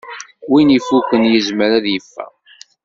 Win ifukken yezmer ad yeffeɣ.